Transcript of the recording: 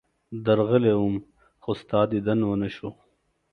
درغلی وم، خو ستا دیدن ونه شو.